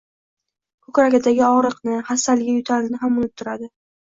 Koʻkragidagi ogʻriqni, xastaligi, yoʻtalini ham unutardi.